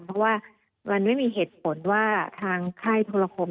เพราะว่ามันไม่มีเหตุผลว่าทางค่ายโทรคม